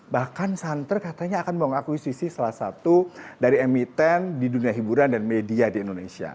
bahkan santer katanya akan mengakuisisi salah satu dari emiten di dunia hiburan dan media di indonesia